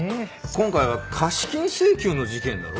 今回は貸金請求の事件だろ？